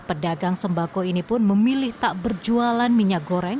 pedagang sembako ini pun memilih tak berjualan minyak goreng